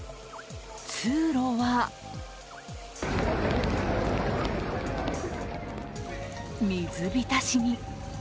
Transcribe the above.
通路は水浸しに。